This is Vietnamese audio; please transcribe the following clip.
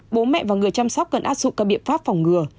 bố mẹ và người chăm sóc cần áp dụng các biện pháp phòng ngừa